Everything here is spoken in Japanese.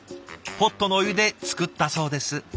ポットのお湯で作ったそうです。